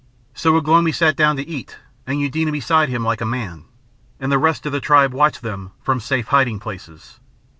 So Ugh lomi sat down to eat, and Eudena beside him like a man, and the rest of the tribe watched them from safe hiding places.